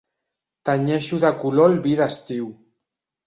Tenyeixo de color el vi d'estiu.